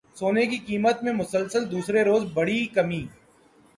سونے کی قیمت میں مسلسل دوسرے روز بڑی کمی